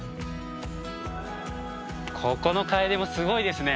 ここのカエデもすごいですね。